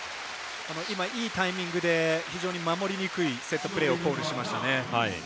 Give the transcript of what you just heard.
今、いいタイミングで非常に守りにくいセットプレーをコールしましたね。